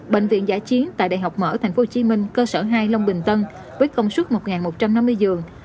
bệnh viện giả chiến tại đại học mở tp hcm cơ sở hai long bình tân với công suất một một trăm năm mươi giường